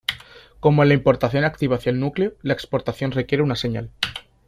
Como en la importación activa hacia el núcleo, la exportación requiere una señal.